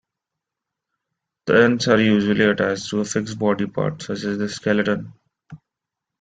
The ends are usually attached to a fixed body part such as the skeleton.